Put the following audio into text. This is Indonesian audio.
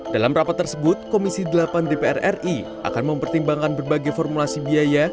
dalam rapat tersebut komisi delapan dpr ri akan mempertimbangkan berbagai formulasi biaya